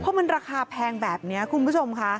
เพราะมันราคาแพงแบบนี้คุณผู้ชมค่ะ